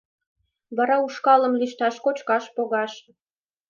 Вара ушкалым лӱшташ, кочкаш погаш...